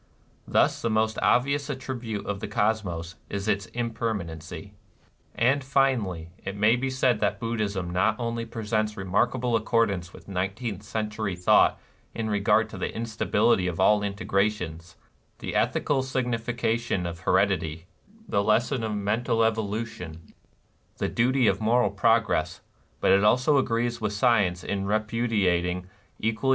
Thus the most obvi ous attribute of the Cosmos is its imper manency." ^ And, finally, it may be said that Buddhism not only presents remarkable accordance with nineteenth century thought in regard to the instability of all integrations, the ethical sig nification of heredity, the lesson of mental evolution, the duty of moral progress, but it also agrees with science in repudiating equally ^ Evolution and Ethics.